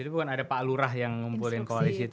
jadi bukan ada pak lurah yang ngumpulin koalisi itu